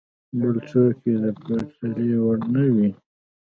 بل څوک یې د پرتلې وړ نه ویني.